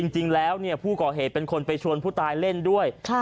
จริงแล้วผู้ก่อเหตุเป็นคนไปชวนผู้ตายเล่นด้วย